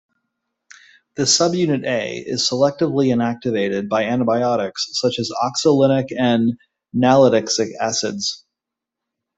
The subunit A is selectively inactivated by antibiotics such as oxolinic and nalidixic acids.